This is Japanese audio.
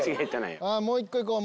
もう一個いこう！